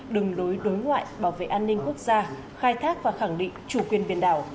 đừng đối đối ngoại bảo vệ an ninh quốc gia khai thác và khẳng định chủ quyền biển đảo